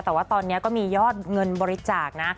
แต่ว่าตอนนี้ก็มียอดเงินบริจาคนะ